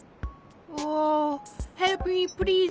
オヘルプミープリーズ。